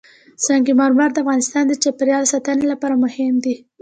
سنگ مرمر د افغانستان د چاپیریال ساتنې لپاره مهم دي.